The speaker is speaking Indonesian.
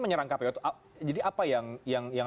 menyerang kpu jadi apa yang